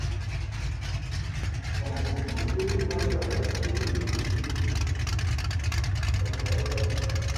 Changamoto ambazo namna bora zaidi ya kukabiliana nazo ni kwa ushirikiano